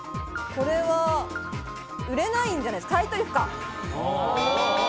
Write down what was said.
これは売れないんじゃないですか？